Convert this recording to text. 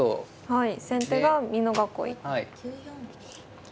はい。